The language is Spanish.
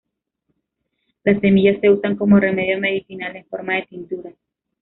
Las semillas se usan como remedio medicinal, en forma de tinturas.